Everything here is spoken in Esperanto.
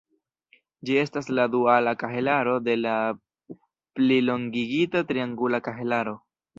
Ĝi estas la duala kahelaro de la plilongigita triangula kahelaro.